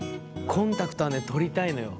コンタクトはね取りたいのよ。